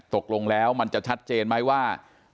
ตกลงแล้วมันจะชัดเจนไหมว่า